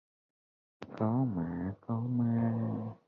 Có mạ, có ma